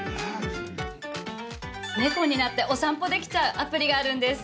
猫になってお散歩できちゃうアプリがあるんです。